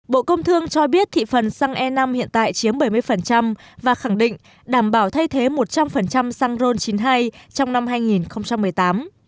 bộ công thương cho biết thị phần xăng e năm hiện tại chiếm bảy mươi và khẳng định đảm bảo thay thế một trăm linh xăng ron chín mươi hai trong năm hai nghìn một mươi tám